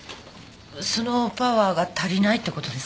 そのパワーが足りないってことですか？